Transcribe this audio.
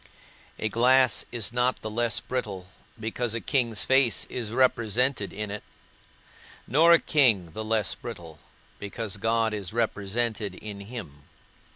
A glass is not the less brittle, because a king's face is represented in it; nor a king the less brittle, because God is represented in him.